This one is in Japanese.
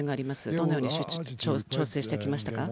どのように調整してきましたか。